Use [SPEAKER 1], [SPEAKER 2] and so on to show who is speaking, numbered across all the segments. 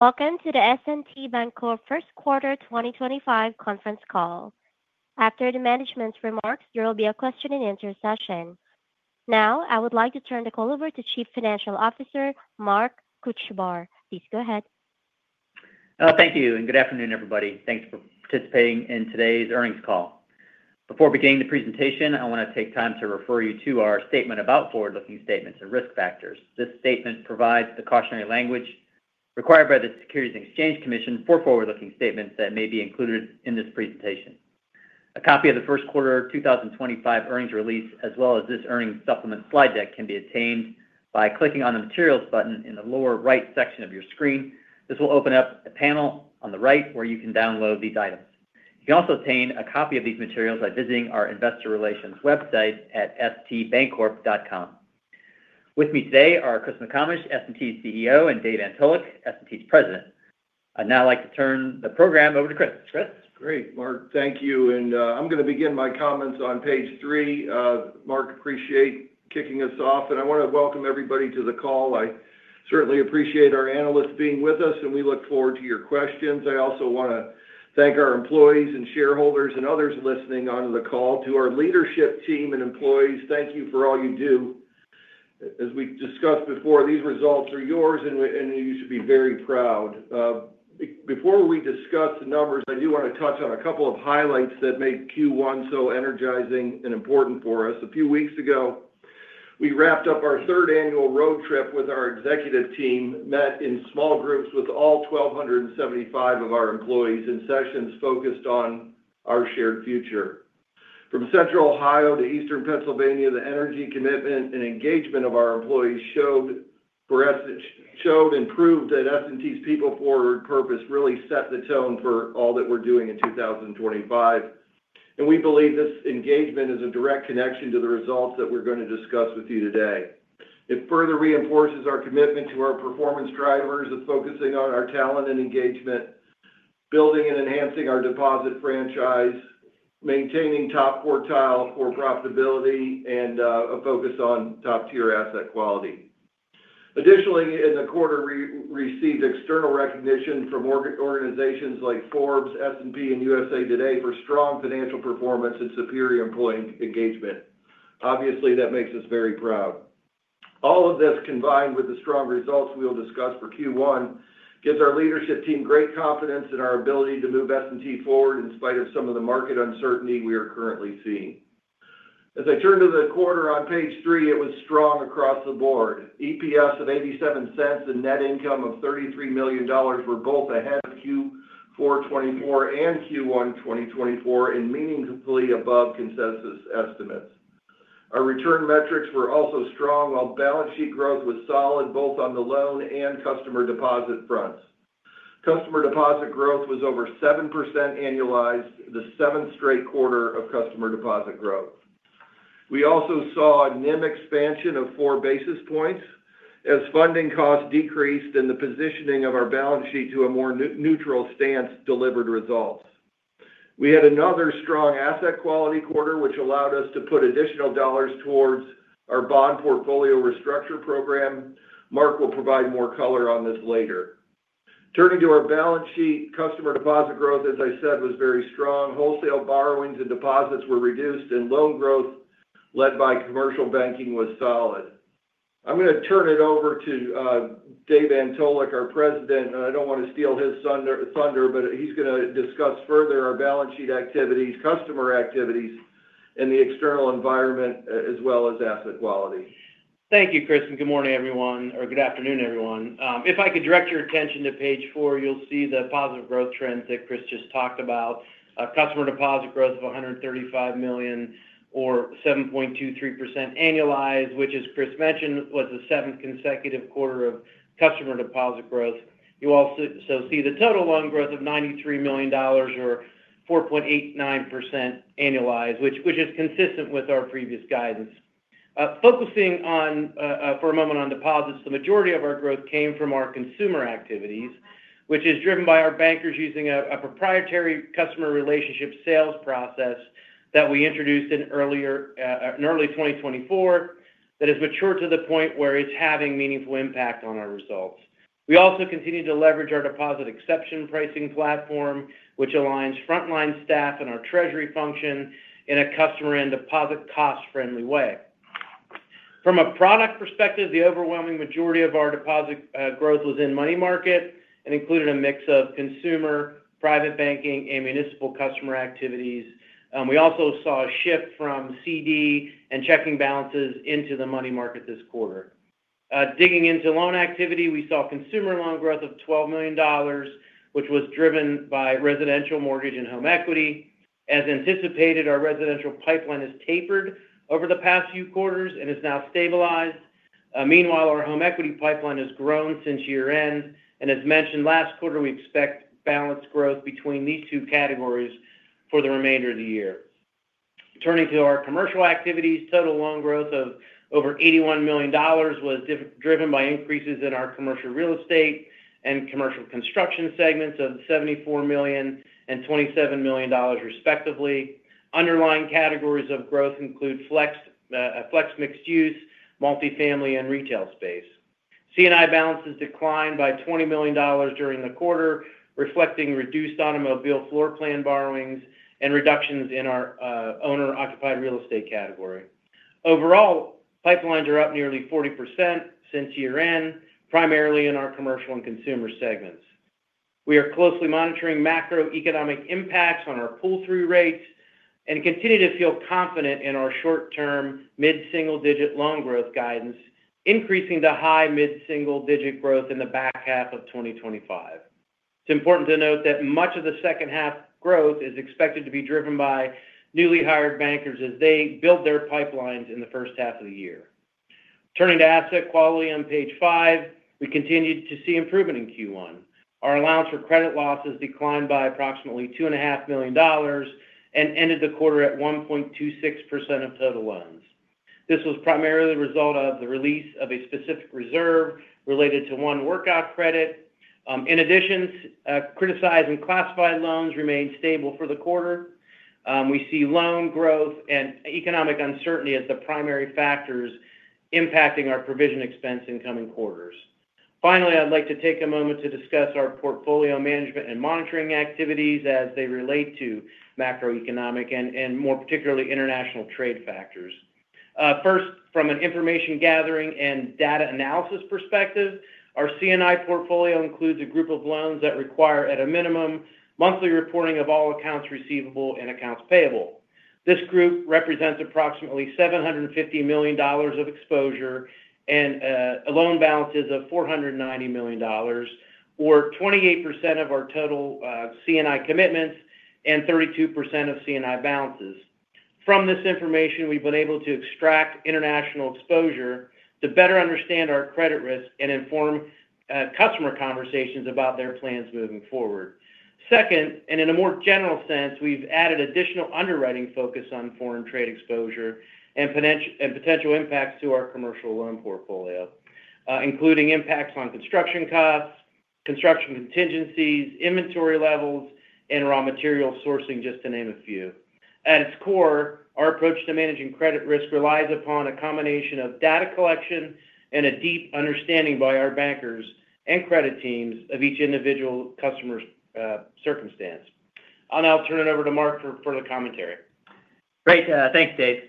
[SPEAKER 1] Welcome to the S&T Bancorp First Quarter 2025 conference call. After the management's remarks, there will be a question-and-answer session. Now, I would like to turn the call over to Chief Financial Officer Mark Kochvar. Please go ahead.
[SPEAKER 2] Thank you, and good afternoon, everybody. Thanks for participating in today's earnings call. Before beginning the presentation, I want to take time to refer you to our statement about forward-looking statements and risk factors. This statement provides the cautionary language required by the Securities and Exchange Commission for forward-looking statements that may be included in this presentation. A copy of the First Quarter 2025 Earnings Release, as well as this earnings supplement slide deck, can be obtained by clicking on the Materials button in the lower right section of your screen. This will open up a panel on the right where you can download these items. You can also obtain a copy of these materials by visiting our investor relations website at stbancorp.com. With me today are Chris McComish, S&T CEO, and Dave Antolik, S&T's president. I'd now like to turn the program over to Chris. Chris.
[SPEAKER 3] Great, Mark, thank you. I'm going to begin my comments on page three. Mark, I appreciate kicking us off, and I want to welcome everybody to the call. I certainly appreciate our analysts being with us, and we look forward to your questions. I also want to thank our employees and shareholders and others listening onto the call. To our leadership team and employees, thank you for all you do. As we discussed before, these results are yours, and you should be very proud. Before we discuss the numbers, I do want to touch on a couple of highlights that make Q1 so energizing and important for us. A few weeks ago, we wrapped up our third annual road trip with our executive team, met in small groups with all 1,275 of our employees, and sessions focused on our shared future. From Central Ohio to Eastern Pennsylvania, the energy, commitment, and engagement of our employees showed and proved that S&T's people-forward purpose really set the tone for all that we're doing in 2025. We believe this engagement is a direct connection to the results that we're going to discuss with you today. It further reinforces our commitment to our performance drivers of focusing on our talent and engagement, building and enhancing our deposit franchise, maintaining top quartile for profitability, and a focus on top-tier asset quality. Additionally, in the quarter, we received external recognition from organizations like Forbes, S&P, and USA TODAY for strong financial performance and superior employee engagement. Obviously, that makes us very proud. All of this, combined with the strong results we'll discuss for Q1, gives our leadership team great confidence in our ability to move S&T forward in spite of some of the market uncertainty we are currently seeing. As I turn to the quarter on page three, it was strong across the board. EPS of $0.87 and net income of $33 million were both ahead of Q4 2024 and Q1 2024, and meaningfully above consensus estimates. Our return metrics were also strong, while balance sheet growth was solid both on the loan and customer deposit fronts. Customer deposit growth was over 7% annualized, the seventh straight quarter of customer deposit growth. We also saw a NIM expansion of four basis points as funding costs decreased and the positioning of our balance sheet to a more neutral stance delivered results. We had another strong asset quality quarter, which allowed us to put additional dollars towards our bond portfolio restructure program. Mark will provide more color on this later. Turning to our balance sheet, customer deposit growth, as I said, was very strong. Wholesale borrowings and deposits were reduced, and loan growth led by commercial banking was solid. I'm going to turn it over to Dave Antolik, our President, and I don't want to steal his thunder, but he's going to discuss further our balance sheet activities, customer activities, and the external environment, as well as asset quality.
[SPEAKER 4] Thank you, Chris, and good morning, everyone, or good afternoon, everyone. If I could direct your attention to page four, you'll see the positive growth trend that Chris just talked about. Customer deposit growth of $135 million, or 7.23% annualized, which, as Chris mentioned, was the seventh consecutive quarter of customer deposit growth. You also see the total loan growth of $93 million, or 4.89% annualized, which is consistent with our previous guidance. Focusing for a moment on deposits, the majority of our growth came from our consumer activities, which is driven by our bankers using a proprietary customer relationship sales process that we introduced in early 2024 that has matured to the point where it's having a meaningful impact on our results. We also continue to leverage our deposit exception pricing platform, which aligns frontline staff and our treasury function in a customer and deposit cost-friendly way. From a product perspective, the overwhelming majority of our deposit growth was in money market and included a mix of consumer, private banking, and municipal customer activities. We also saw a shift from CD and checking balances into the money market this quarter. Digging into loan activity, we saw consumer loan growth of $12 million, which was driven by residential mortgage and home equity. As anticipated, our residential pipeline has tapered over the past few quarters and is now stabilized. Meanwhile, our home equity pipeline has grown since year-end. As mentioned last quarter, we expect balanced growth between these two categories for the remainder of the year. Turning to our commercial activities, total loan growth of over $81 million was driven by increases in our commercial real estate and commercial construction segments of $74 million and $27 million, respectively. Underlying categories of growth include flex mixed use, multifamily, and retail space. C&I balances declined by $20 million during the quarter, reflecting reduced automobile floor plan borrowings and reductions in our owner-occupied real estate category. Overall, pipelines are up nearly 40% since year-end, primarily in our commercial and consumer segments. We are closely monitoring macroeconomic impacts on our pull-through rates and continue to feel confident in our short-term mid-single-digit loan growth guidance, increasing to high mid-single-digit growth in the back half of 2025. It's important to note that much of the second-half growth is expected to be driven by newly hired bankers as they build their pipelines in the first half of the year. Turning to asset quality on page five, we continued to see improvement in Q1. Our allowance for credit losses declined by approximately $2.5 million and ended the quarter at 1.26% of total loans. This was primarily the result of the release of a specific reserve related to one workout credit. In addition, criticized and classified loans remained stable for the quarter. We see loan growth and economic uncertainty as the primary factors impacting our provision expense in coming quarters. Finally, I'd like to take a moment to discuss our portfolio management and monitoring activities as they relate to macroeconomic and, more particularly, international trade factors. First, from an information gathering and data analysis perspective, our C&I portfolio includes a group of loans that require, at a minimum, monthly reporting of all accounts receivable and accounts payable. This group represents approximately $750 million of exposure and loan balances of $490 million, or 28% of our total C&I commitments and 32% of C&I balances. From this information, we've been able to extract international exposure to better understand our credit risk and inform customer conversations about their plans moving forward. Second, and in a more general sense, we've added additional underwriting focus on foreign trade exposure and potential impacts to our commercial loan portfolio, including impacts on construction costs, construction contingencies, inventory levels, and raw material sourcing, just to name a few. At its core, our approach to managing credit risk relies upon a combination of data collection and a deep understanding by our bankers and credit teams of each individual customer's circumstance. I'll now turn it over to Mark for further commentary.
[SPEAKER 2] Great. Thanks, Dave.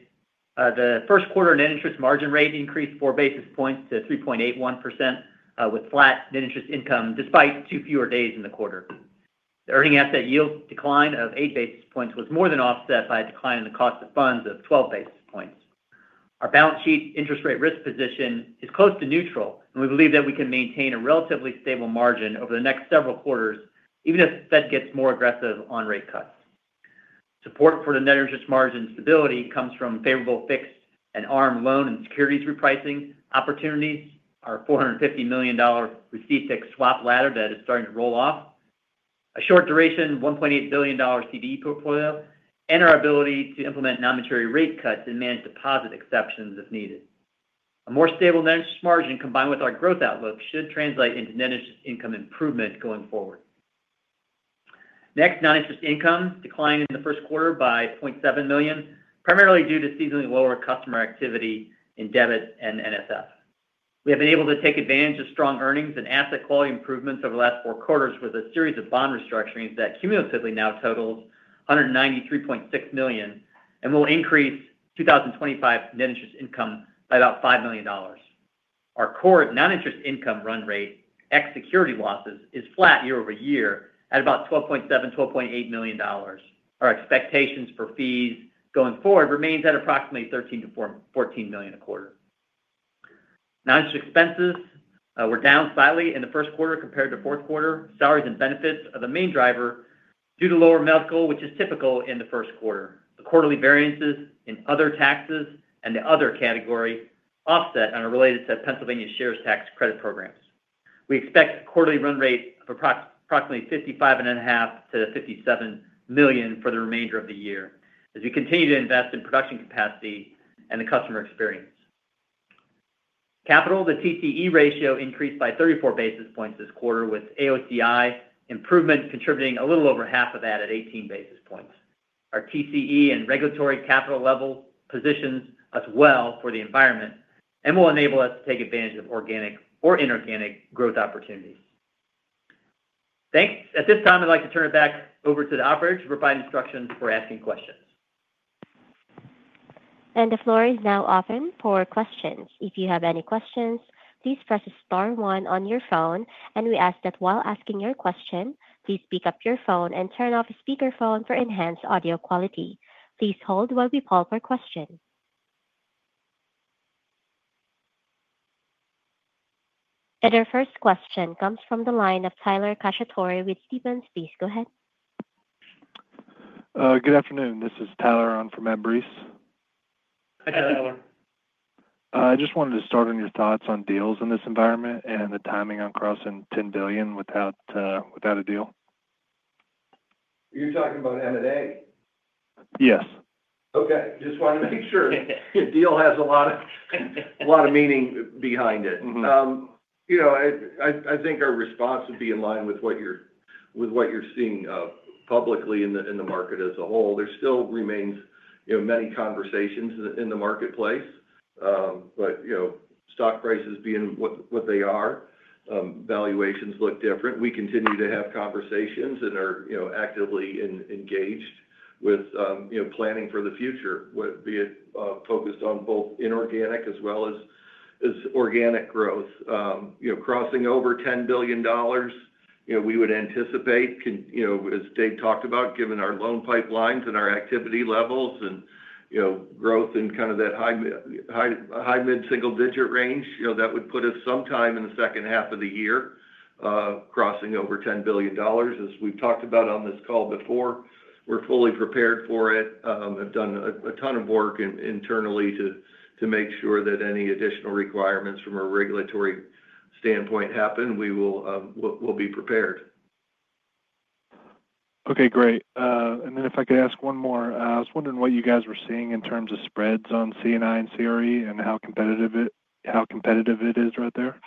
[SPEAKER 2] The first quarter net interest margin rate increased four basis points to 3.81%, with flat net interest income despite two fewer days in the quarter. The earning asset yield decline of eight basis points was more than offset by a decline in the cost of funds of 12 basis points. Our balance sheet interest rate risk position is close to neutral, and we believe that we can maintain a relatively stable margin over the next several quarters, even if the Fed gets more aggressive on rate cuts. Support for the net interest margin stability comes from favorable fixed and ARM loan and securities repricing opportunities, our $450 million receive-fixed swap ladder that is starting to roll off, a short-duration, $1.8 billion CD portfolio, and our ability to implement non-maturity rate cuts and manage deposit exceptions if needed. A more stable net interest margin, combined with our growth outlook, should translate into net interest income improvement going forward. Next, non-interest income declined in the first quarter by $0.7 million, primarily due to seasonally lower customer activity in debit and NSF. We have been able to take advantage of strong earnings and asset quality improvements over the last four quarters with a series of bond restructurings that cumulatively now totals $193.6 million and will increase 2025 net interest income by about $5 million. Our core non-interest income run rate, ex-security losses, is flat year-over-year at about $12.7 million, $12.8 million. Our expectations for fees going forward remain at approximately $13 million-$14 million a quarter. Non-interest expenses were down slightly in the first quarter compared to the fourth quarter. Salaries and benefits are the main driver due to lower medical, which is typical in the first quarter. The quarterly variances in other taxes and the other category offset on a related to Pennsylvania shares tax credit programs. We expect a quarterly run rate of approximately $55.5 million-$57 million for the remainder of the year as we continue to invest in production capacity and the customer experience. Capital, the TCE ratio, increased by 34 basis points this quarter, with AOCI improvement contributing a little over half of that at 18 basis points. Our TCE and regulatory capital level positions us well for the environment and will enable us to take advantage of organic or inorganic growth opportunities. Thanks. At this time, I'd like to turn it back over to the operators to provide instructions for asking questions.
[SPEAKER 1] The floor is now open for questions. If you have any questions, please press star one on your phone. We ask that while asking your question, please speak up your phone and turn off speakerphone for enhanced audio quality. Please hold while we pull up our question. Our first question comes from the line of Tyler Cacciatori with Stephens. Please go ahead.
[SPEAKER 5] Good afternoon. This is Tyler on for Matt Breese.
[SPEAKER 3] Hi, Tyler.
[SPEAKER 5] I just wanted to start on your thoughts on deals in this environment and the timing on crossing $10 billion without a deal.
[SPEAKER 3] You're talking about M&A?
[SPEAKER 5] Yes.
[SPEAKER 3] Okay. Just wanted to make sure your deal has a lot of meaning behind it. I think our response would be in line with what you're seeing publicly in the market as a whole. There still remains many conversations in the marketplace, but stock prices being what they are, valuations look different. We continue to have conversations and are actively engaged with planning for the future, be it focused on both inorganic as well as organic growth. Crossing over $10 billion, we would anticipate, as Dave talked about, given our loan pipelines and our activity levels and growth in kind of that high mid-single-digit range, that would put us sometime in the second half of the year crossing over $10 billion. As we've talked about on this call before, we're fully prepared for it. We've done a ton of work internally to make sure that any additional requirements from a regulatory standpoint happen. We will be prepared.
[SPEAKER 5] Okay. Great. If I could ask one more, I was wondering what you guys were seeing in terms of spreads on C&I and CRE and how competitive it is right there.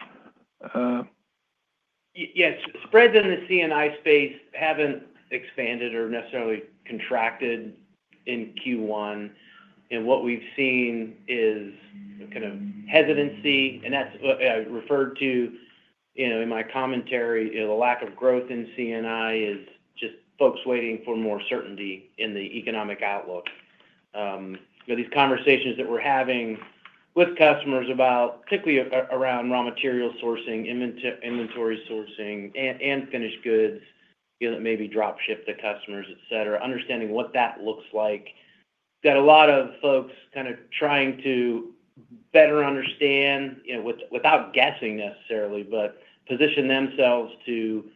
[SPEAKER 2] Yes. Spreads in the C&I space have not expanded or necessarily contracted in Q1. What we have seen is kind of hesitancy. That is what I referred to in my commentary. The lack of growth in C&I is just folks waiting for more certainty in the economic outlook. These conversations that we are having with customers about, particularly around raw material sourcing, inventory sourcing, and finished goods that maybe drop ship to customers, etc., understanding what that looks like. We have got a lot of folks kind of trying to better understand, without guessing necessarily, but position themselves to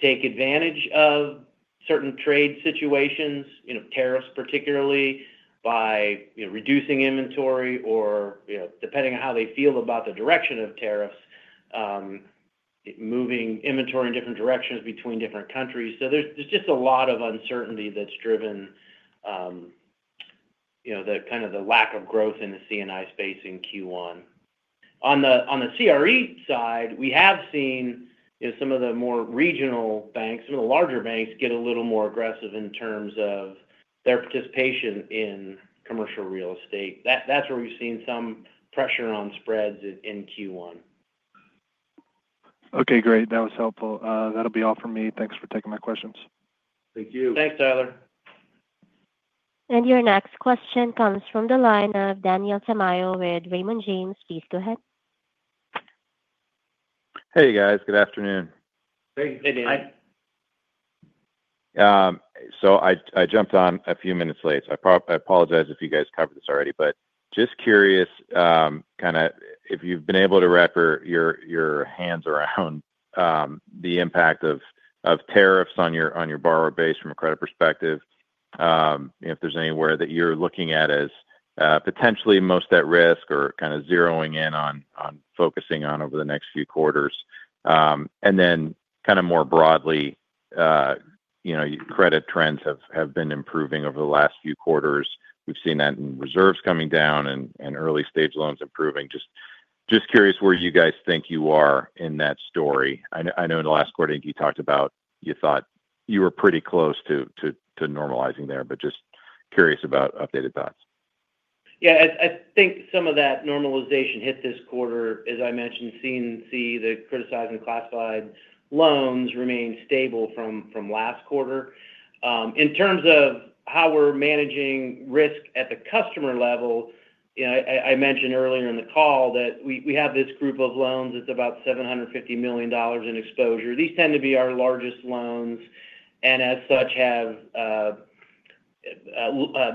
[SPEAKER 2] take advantage of certain trade situations, tariffs particularly, by reducing inventory or, depending on how they feel about the direction of tariffs, moving inventory in different directions between different countries. There is just a lot of uncertainty that has driven kind of the lack of growth in the C&I space in Q1. On the CRE side, we have seen some of the more regional banks, some of the larger banks, get a little more aggressive in terms of their participation in commercial real estate. That is where we have seen some pressure on spreads in Q1.
[SPEAKER 5] Okay. Great. That was helpful. That'll be all for me. Thanks for taking my questions.
[SPEAKER 3] Thank you.
[SPEAKER 2] Thanks, Tyler.
[SPEAKER 1] Your next question comes from the line of Daniel Tamayo with Raymond James. Please go ahead.
[SPEAKER 6] Hey, guys. Good afternoon.
[SPEAKER 3] Hey. Hey, Daniel.
[SPEAKER 6] Hi. I jumped on a few minutes late. I apologize if you guys covered this already, but just curious kind of if you've been able to wrap your hands around the impact of tariffs on your borrower base from a credit perspective, if there's anywhere that you're looking at as potentially most at risk or kind of zeroing in on focusing on over the next few quarters. More broadly, credit trends have been improving over the last few quarters. We've seen that in reserves coming down and early-stage loans improving. Just curious where you guys think you are in that story. I know in the last quarter, I think you talked about you thought you were pretty close to normalizing there, but just curious about updated thoughts.
[SPEAKER 4] Yeah. I think some of that normalization hit this quarter, as I mentioned C&C, the criticized and classified loans remain stable from last quarter. In terms of how we're managing risk at the customer level, I mentioned earlier in the call that we have this group of loans. It's about $750 million in exposure. These tend to be our largest loans and, as such, have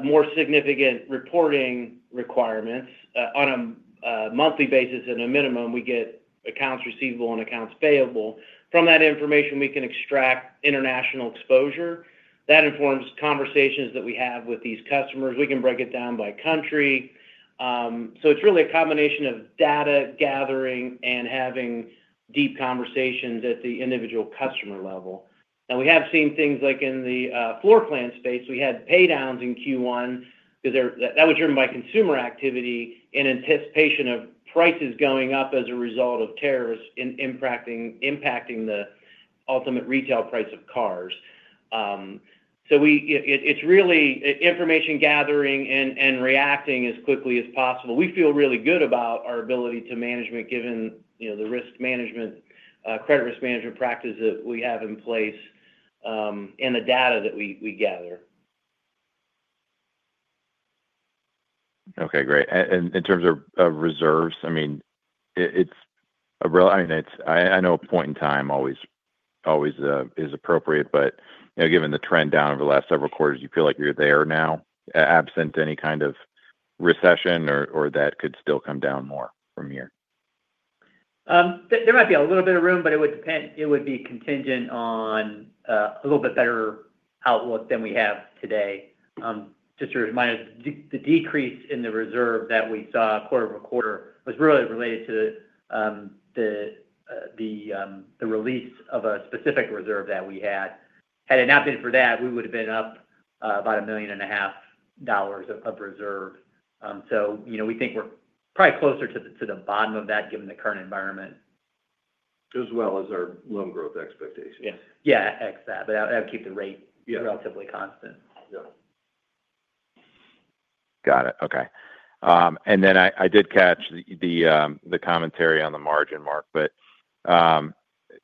[SPEAKER 4] more significant reporting requirements. On a monthly basis, at a minimum, we get accounts receivable and accounts payable. From that information, we can extract international exposure. That informs conversations that we have with these customers. We can break it down by country. It is really a combination of data gathering and having deep conversations at the individual customer level. Now, we have seen things like in the floor plan space. We had paydowns in Q1. That was driven by consumer activity in anticipation of prices going up as a result of tariffs impacting the ultimate retail price of cars. It is really information gathering and reacting as quickly as possible. We feel really good about our ability to management, given the risk management, credit risk management practice that we have in place and the data that we gather.
[SPEAKER 6] Great. In terms of reserves, I mean, it's a real, I mean, I know a point in time always is appropriate, but given the trend down over the last several quarters, you feel like you're there now, absent any kind of recession or that could still come down more from here?
[SPEAKER 2] There might be a little bit of room, but it would be contingent on a little bit better outlook than we have today. Just a reminder, the decrease in the reserve that we saw quarter-over-quarter was really related to the release of a specific reserve that we had. Had it not been for that, we would have been up about $1.5 million of reserve. We think we're probably closer to the bottom of that, given the current environment,
[SPEAKER 3] as well as our loan growth expectations.
[SPEAKER 4] Yeah. Yeah. Ex that. That would keep the rate relatively constant.
[SPEAKER 6] Got it. Okay. I did catch the commentary on the margin, Mark, but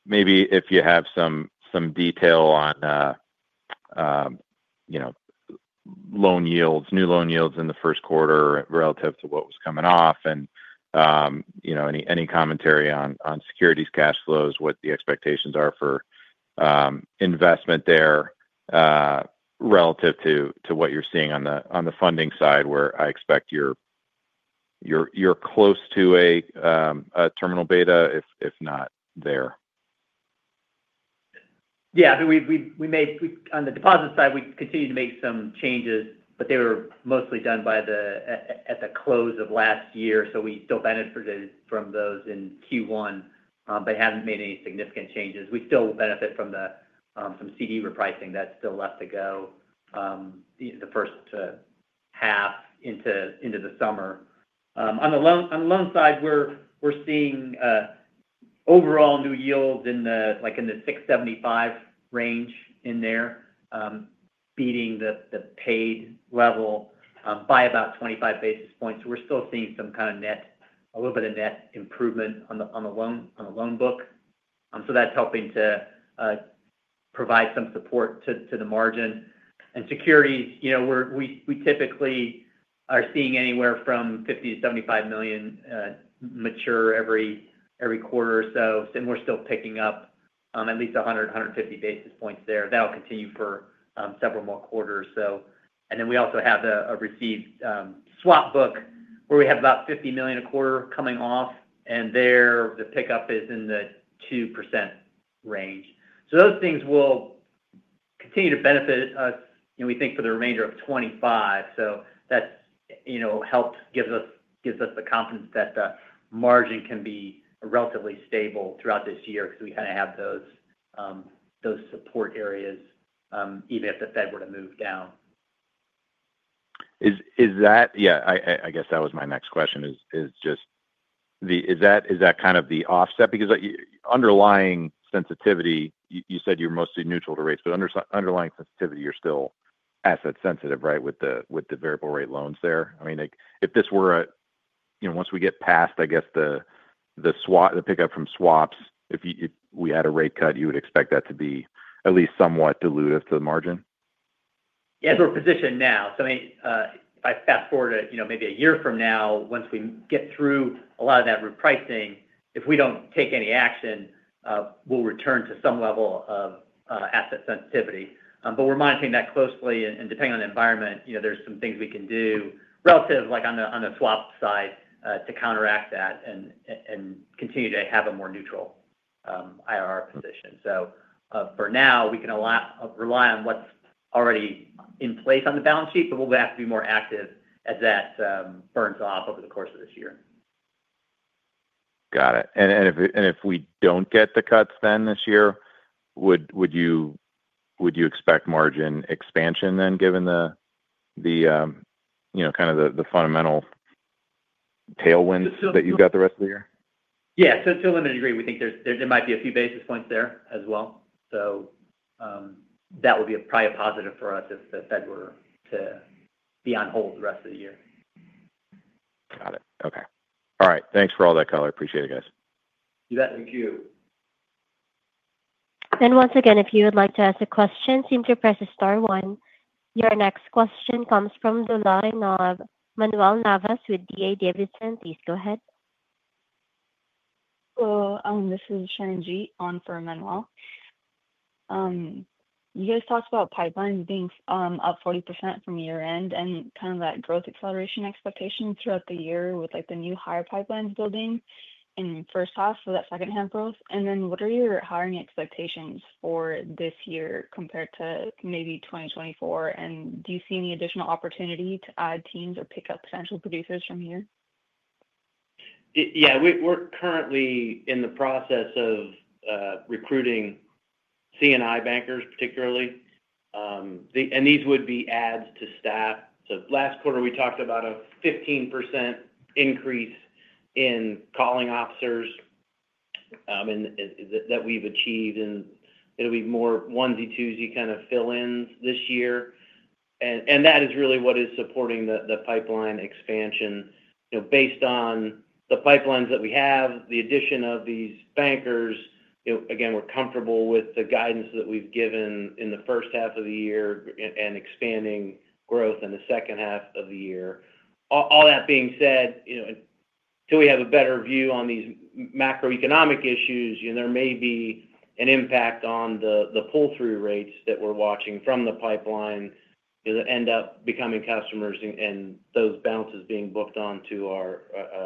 [SPEAKER 6] maybe if you have some detail on loan yields, new loan yields in the first quarter relative to what was coming off and any commentary on securities cash flows, what the expectations are for investment there relative to what you're seeing on the funding side, where I expect you're close to a terminal beta, if not there.
[SPEAKER 2] Yeah. I mean, on the deposit side, we continued to make some changes, but they were mostly done at the close of last year. We still benefited from those in Q1, but have not made any significant changes. We still benefit from some CD repricing that is still left to go the first half into the summer. On the loan side, we are seeing overall new yields in the 6.75% range in there, beating the paid level by about 25 basis points. We are still seeing some kind of net, a little bit of net improvement on the loan book. That is helping to provide some support to the margin. In securities, we typically are seeing anywhere from $50 million-$75 million mature every quarter or so. We are still picking up at least 100-150 basis points there. That will continue for several more quarters. We also have a receive-fixed swap book where we have about $50 million a quarter coming off. There, the pickup is in the 2% range. Those things will continue to benefit us, we think, for the remainder of 2025. That helps, gives us the confidence that the margin can be relatively stable throughout this year because we kind of have those support areas, even if the Fed were to move down.
[SPEAKER 6] Yeah. I guess that was my next question, is just, is that kind of the offset? Because underlying sensitivity, you said you're mostly neutral to rates, but underlying sensitivity, you're still asset-sensitive, right, with the variable rate loans there? I mean, if this were a once we get past, I guess, the pickup from swaps, if we had a rate cut, you would expect that to be at least somewhat dilutive to the margin?
[SPEAKER 2] Yeah. We're positioned now. I mean, if I fast forward to maybe a year from now, once we get through a lot of that repricing, if we don't take any action, we'll return to some level of asset sensitivity. We're monitoring that closely. Depending on the environment, there's some things we can do relative on the swap side to counteract that and continue to have a more neutral IRR position. For now, we can rely on what's already in place on the balance sheet, but we'll have to be more active as that burns off over the course of this year.
[SPEAKER 6] Got it. If we do not get the cuts this year, would you expect margin expansion then, given the kind of the fundamental tailwinds that you have the rest of the year?
[SPEAKER 2] Yeah. To a limited degree. We think there might be a few basis points there as well. That would be probably a positive for us if the Fed were to be on hold the rest of the year.
[SPEAKER 6] Got it. Okay. All right. Thanks for all that color. Appreciate it, guys.
[SPEAKER 2] You bet.
[SPEAKER 3] Thank you.
[SPEAKER 1] If you would like to ask a question, please press star one. Your next question comes from the line of Manuel Navas with D.A. Davidson. Please go ahead.
[SPEAKER 7] Hello. This is Sharon Gee on for Manuel. You guys talked about pipelines being up 40% from year-end and kind of that growth acceleration expectation throughout the year with the new hire pipelines building in first half for that second-half growth. What are your hiring expectations for this year compared to maybe 2024? Do you see any additional opportunity to add teams or pick up potential producers from here?
[SPEAKER 2] Yeah. We're currently in the process of recruiting C&I bankers, particularly. These would be adds to staff. Last quarter, we talked about a 15% increase in calling officers that we've achieved. It'll be more onesie, twosie kind of fill-ins this year. That is really what is supporting the pipeline expansion. Based on the pipelines that we have, the addition of these bankers, again, we're comfortable with the guidance that we've given in the first half of the year and expanding growth in the second half of the year. All that being said, until we have a better view on these macroeconomic issues, there may be an impact on the pull-through rates that we're watching from the pipeline that end up becoming customers and those balances being booked onto our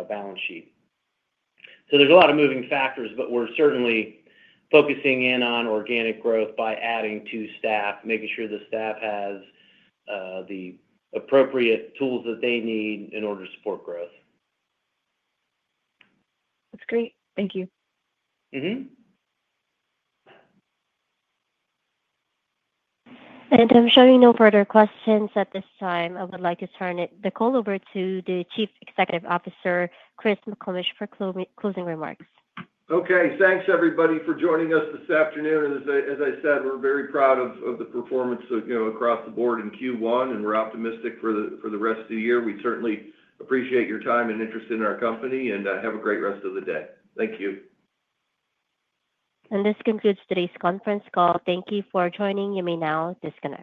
[SPEAKER 2] balance sheet. There is a lot of moving factors, but we're certainly focusing in on organic growth by adding to staff, making sure the staff has the appropriate tools that they need in order to support growth.
[SPEAKER 7] That's great. Thank you.
[SPEAKER 1] We have no further questions at this time. I would like to turn the call over to the Chief Executive Officer, Chris McComish, for closing remarks.
[SPEAKER 3] Okay. Thanks, everybody, for joining us this afternoon. As I said, we're very proud of the performance across the board in Q1, and we're optimistic for the rest of the year. We certainly appreciate your time and interest in our company, and have a great rest of the day. Thank you.
[SPEAKER 1] This concludes today's conference call. Thank you for joining me. This conference.